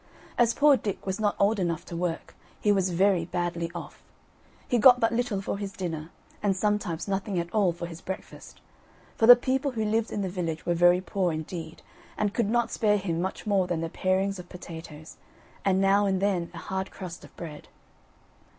As poor Dick was not old enough to work, he was very badly off; he got but little for his dinner, and sometimes nothing at all for his breakfast; for the people who lived in the village were very poor indeed, and could not spare him much more than the parings of potatoes, and now and then a hard crust of bread.